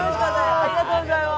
ありがとうございます。